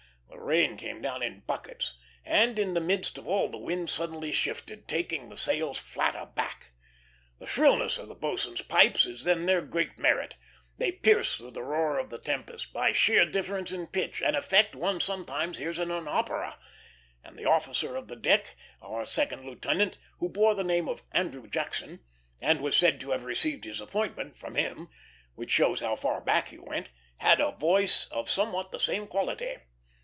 The rain came down in buckets, and in the midst of all the wind suddenly shifted, taking the sails flat aback. The shrillness of the boatswain's pipes is then their great merit. They pierce through the roar of the tempest, by sheer difference of pitch, an effect one sometimes hears in an opera; and the officer of the deck, our second lieutenant, who bore the name of Andrew Jackson, and was said to have received his appointment from him which shows how far back he went had a voice of somewhat the same quality.